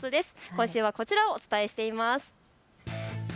今週はこちら、お伝えしています。